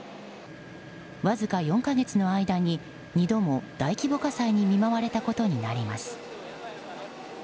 わずか４か月の間に２度も大規模火災に見舞われたことになります。